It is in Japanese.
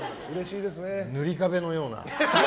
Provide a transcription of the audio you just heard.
塗り壁のような。